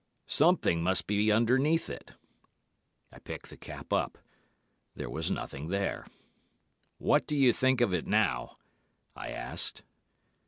'Something must be underneath it.' I picked the cap up, there was nothing there. 'What do you think of it now?' I asked.